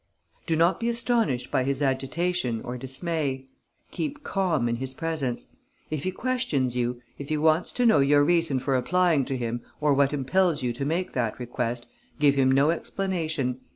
"Do not be astonished by his agitation or dismay. Keep calm in his presence. If he questions you, if he wants to know your reason for applying to him or what impels you to make that request, give him no explanation.